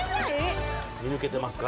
見抜けてますか？